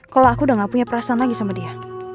kalau aku udah gak punya perasaan lagi sama dia